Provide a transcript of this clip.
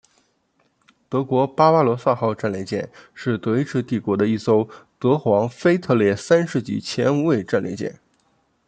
德皇巴巴罗萨号战列舰是德意志帝国的一艘德皇腓特烈三世级前无畏战列舰。